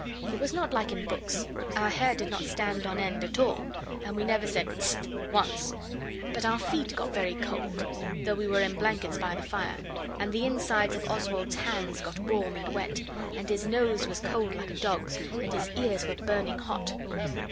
It was not like in books; our hair did not stand on end at all, and we never said 'Hist!' once, but our feet got very cold, though we were in blankets by the fire, and the insides of Oswald's hands got warm and wet, and his nose was cold like a dog's, and his ears were burning hot.